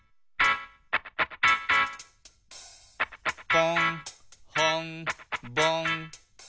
「ぽんほんぼん」